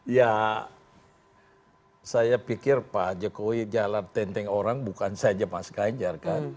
ya saya pikir pak jokowi jalan tenteng orang bukan saja mas ganjar kan